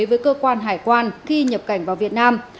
với cơ quan hải quan khi nhập cảnh vào việt nam